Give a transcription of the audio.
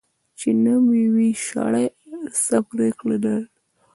چی نوم یی وی شړي ، څه پریکړه ځه نري .